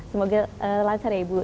semoga lancar ya ibu